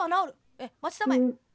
「ええまちたまえ」。